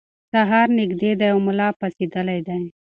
سهار نږدې دی او ملا پاڅېدلی دی.